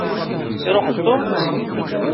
Iṛuḥ-d Tom?